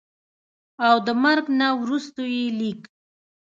او دَمرګ نه وروستو ئې ليک